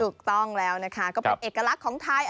ถูกต้องแล้วนะคะก็เป็นเอกลักษณ์ของไทย